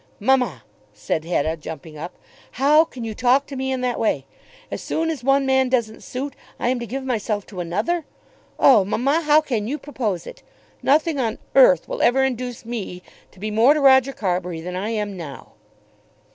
"Mamma," said Hetta jumping up, "how can you talk to me in that way? As soon as one man doesn't suit, I am to give myself to another! Oh, mamma, how can you propose it? Nothing on earth will ever induce me to be more to Roger Carbury than I am now."